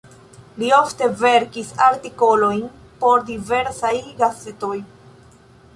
Li ofte verkis artikolojn por diversaj gazetoj.